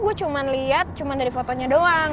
gue cuma lihat cuma dari fotonya doang